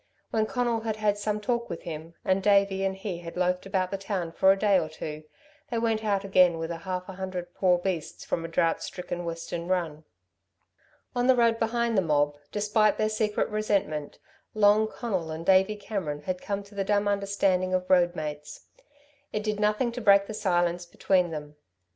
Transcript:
When Conal had had some talk with him, and Davey and he had loafed about the town for a day or two, they went out again with half a hundred poor beasts from a drought stricken Western run. On the road behind the mob, despite their secret resentment, Long Conal and Davey Cameron had come to the dumb understanding of road mates. It did nothing to break the silence between them.